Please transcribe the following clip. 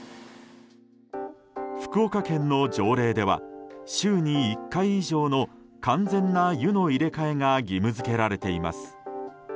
福岡県の条例では週に１回以上の完全な湯の入れ替えが義務付けられています。